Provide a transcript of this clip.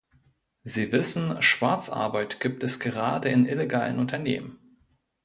Sie wissen, Schwarzarbeit gibt es gerade in illegalen Unternehmen.